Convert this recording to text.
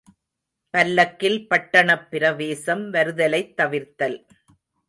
● பல்லக்கில் பட்டணப் பிரவேசம் வருதலைத் தவிர்த்தல்.